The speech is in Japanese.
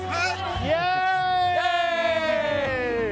イエーイ！